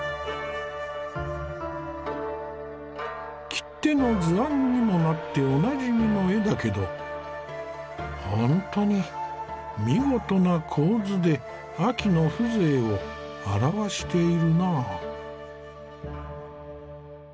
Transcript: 切手の図案にもなっておなじみの絵だけどほんとに見事な構図で秋の風情を表しているなぁ。